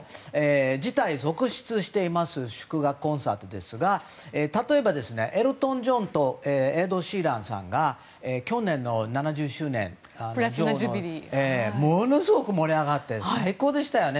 辞退が続出しています祝賀コンサートですが例えば、エルトン・ジョンとエド・シーランさんが去年の女王の７０周年ものすごく盛り上がって最高でしたよね。